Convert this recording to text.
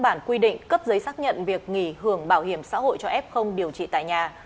bản quy định cấp giấy xác nhận việc nghỉ hưởng bảo hiểm xã hội cho f không điều trị tại nhà